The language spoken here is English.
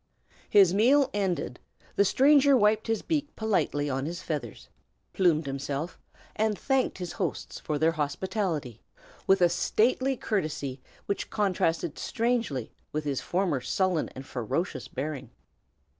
His meal ended, the stranger wiped his beak politely on his feathers, plumed himself, and thanked his hosts for their hospitality, with a stately courtesy which contrasted strangely with his former sullen and ferocious bearing.